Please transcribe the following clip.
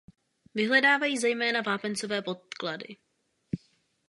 Vyhledávají zejména vápencové podklady.